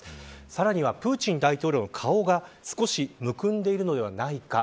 さらにはプーチン大統領の顔が少しむくんでいるのではないか。